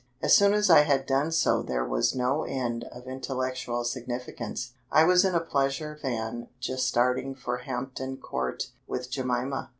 As soon as I had done so there was no end of intellectual significance. I was in a pleasure van just starting for Hampton Court, with Jemima.